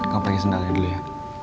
kau pakai sendalnya dulu ya